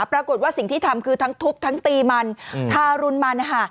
ปรากฏว่าสิ่งที่ทำคือทั้งทุบทั้งตีมันทารุณมัน